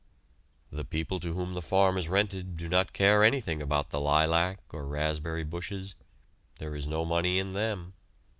The people to whom the farm is rented do not care anything about the lilac or raspberry bushes there is no money in them.